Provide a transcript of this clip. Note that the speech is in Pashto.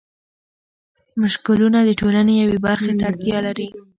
مشکلونه د ټولنې یوې برخې ته اړتيا لري.